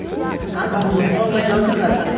あなたも日本語上手になったね